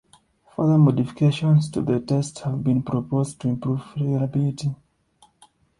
Further modifications to the test have been proposed to improve reliability.